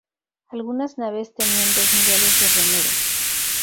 Algunas naves tenían dos niveles de remeros.